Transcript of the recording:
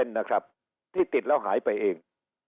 นะครับที่ติดแล้วหายไปเอง